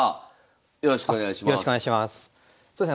よろしくお願いします。